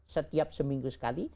setiap seminggu sekali